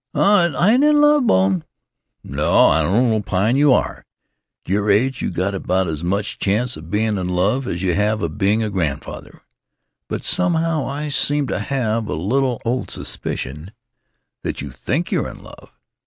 "Aw, I ain't in love, Bone." "No, I don't opine you are. At your age you got about as much chance of being in love as you have of being a grandfather. But somehow I seem to have a little old suspicion that you think you're in love.